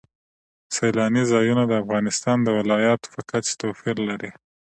سیلانی ځایونه د افغانستان د ولایاتو په کچه توپیر لري.